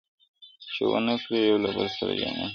چي ونه کړي یو له بل سره جنګونه!